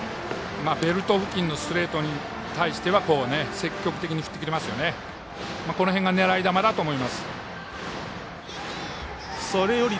ベルト付近のストレートに対しては積極的に振ってくれますよね。